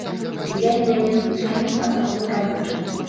Узялі мяне звычайным падсобным рабочым.